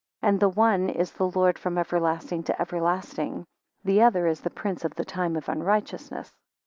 And the one is the Lord from everlasting to everlasting; the other is the prince of the time of unrighteousness.